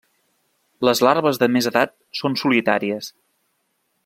Les larves de més edat són solitàries.